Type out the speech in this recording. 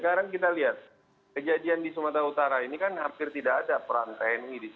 sekarang kita lihat kejadian di sumatera utara ini kan hampir tidak ada peran tni di situ